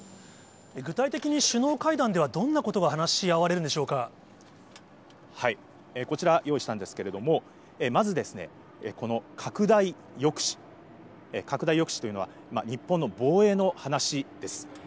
具体的に首脳会談ではどんなこちら、用意したんですけれども、まずこの拡大抑止。拡大抑止というのは、日本の防衛の話です。